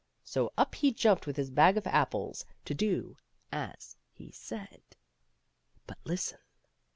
'* So up he jumped with his bag of apples, to do as he said. But listen